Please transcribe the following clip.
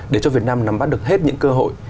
để cho việt nam nắm bắt được hết những cơ hội